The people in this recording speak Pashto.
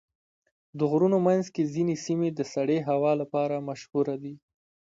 د غرونو منځ کې ځینې سیمې د سړې هوا لپاره مشهوره دي.